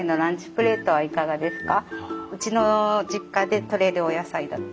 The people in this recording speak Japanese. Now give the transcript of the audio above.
プレートはいかがですか？